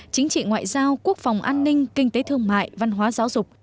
chính trị ngoại giao quốc phòng an ninh kinh tế thương mại văn hóa giáo dục